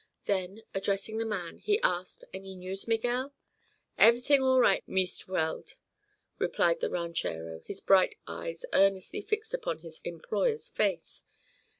Then, addressing the man, he asked: "Any news, Miguel?" "Ever'thing all right, Meest Weld," replied the ranchero, his bright eyes earnestly fixed upon his employer's face.